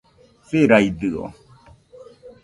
Siraidɨo